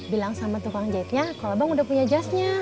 bilang sama tukang jahitnya kalau bang udah punya jasnya